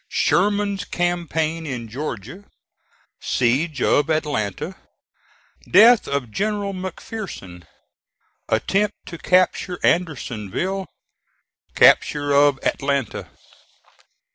SHERMAN'S CAMPAIGN IN GEORGIA SIEGE OF ATLANTA DEATH OF GENERAL MCPHERSON ATTEMPT TO CAPTURE ANDERSONVILLE CAPTURE OF ATLANTA.